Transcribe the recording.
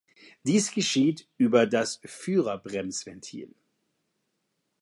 Dies geschieht über das Führerbremsventil.